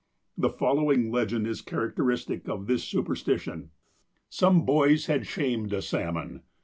The following legend is characteristic of this supersti tion : MODE OF LIVING 71 "Some boys had 'shamed' a salmon.